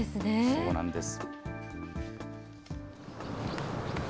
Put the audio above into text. そうなんです。